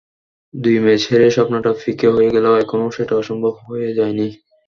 দুই ম্যাচ হেরে স্বপ্নটা ফিকে হয়ে গেলেও এখনো সেটা অসম্ভব হয়ে যায়নি।